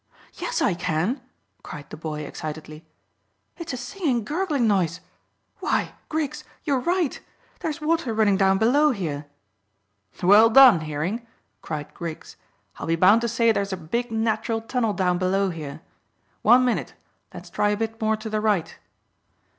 Yes, I can," cried the boy excitedly. "It's a singing, gurgling noise. Why, Griggs, you're right. There's water running down below here." "Well done, hearing!" cried Griggs. "I'll be bound to say there's a big natural tunnel down below here. One minute. Let's try a bit more to the right."